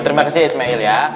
terima kasih ismail ya